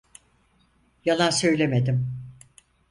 Yalan söylemedim.